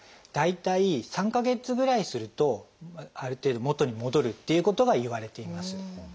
大体３か月ぐらいするとある程度元に戻るっていうことがいわれています。